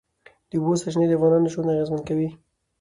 د اوبو سرچینې د افغانانو ژوند اغېزمن کوي.